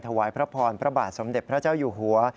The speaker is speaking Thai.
ถวายพระพรพระบาทสมเด็จพระเจ้าอยู่หัว